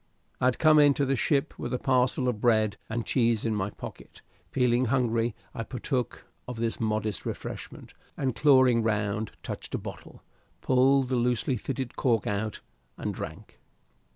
I had come into the ship with a parcel of bread and cheese in my pocket: feeling hungry I partook of this modest refreshment, and clawing round touched a bottle, pulled the loosely fitted cork out, and drank.